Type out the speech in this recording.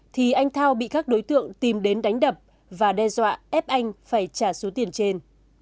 thì anh thao bị các đối tượng tìm đến đánh đập và đe dọa ép anh phải trả số tiền trên